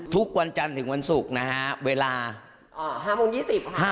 ทุกวันจันทร์ถึงวันศุกร์นะฮะเวลา๕โมง๒๐ค่ะ